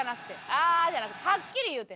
「あーっ！」じゃなくてはっきり言うて。